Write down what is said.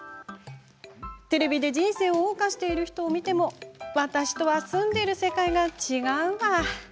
テレビで人生をおう歌している人を見ても私とは住んでいる世界が違うんだ。